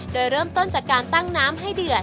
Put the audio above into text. โดยเริ่มต้นจากการตั้งน้ำให้เดือด